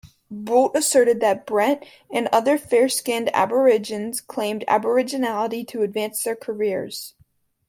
Bolt asserted that Behrendt and other fair-skinned Aborigines claimed aboriginality to advance their careers.